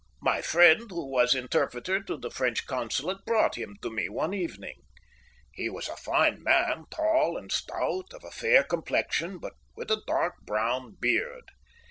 My friend, who was interpreter to the French Consulate, brought him to me one evening. He was a fine man, tall and stout, of a fair complexion, but with a dark brown beard.